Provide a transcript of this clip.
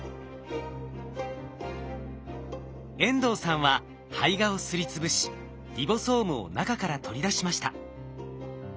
遠藤さんは胚芽をすりつぶしリボソームを中から取り出しました。